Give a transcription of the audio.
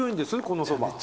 このそば。